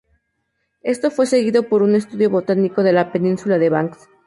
Esto fue seguido por un estudio botánico de la península de Banks.